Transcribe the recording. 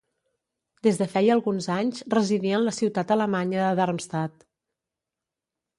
Des de feia alguns anys residia en la ciutat alemanya de Darmstadt.